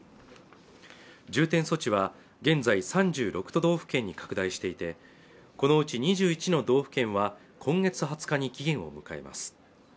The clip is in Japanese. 重点措置は現在３６都道府県に拡大していてこのうち２１の道府県は今月２０日に期限を迎えます